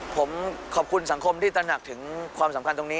ผมขอบคุณสังคมที่ตระหนักถึงความสำคัญตรงนี้